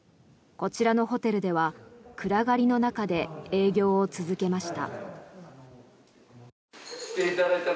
こちらのホテルでは暗がりの中で営業を続けました。